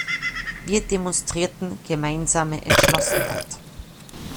Wir demonstrierten gemeinsame Entschlossenheit.